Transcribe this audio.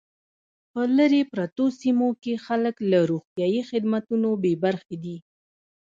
په لري پرتو سیمو کې خلک له روغتیايي خدمتونو بې برخې دي